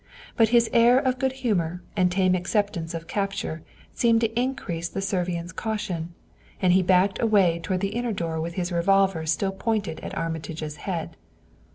But his air of good humor and his tame acceptance of capture seemed to increase the Servian's caution, and he backed away toward the inner door with his revolver still pointed at Armitage's head.